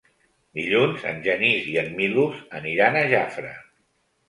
Dilluns en Genís i en Milos aniran a Jafre.